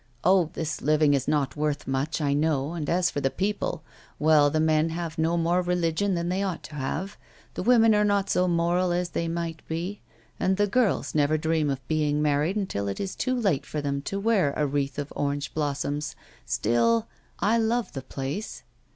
Oh ! this living is not worth much, I know, and as for the people — well, the men have no more religion than they ought to have, the women are not so moral as they might be, and the girls never dream of being married until it is too late for them to wear a wreath of orange blossoms ; still, I love the place."